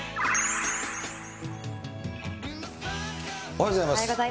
おはようございます。